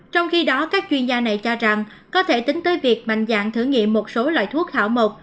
trong khi đó các chuyên gia này cho rằng có thể tính tới việc mạnh dạng thử nghiệm một số loại thuốc hảo một